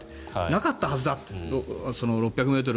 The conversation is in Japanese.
なかったはずだって。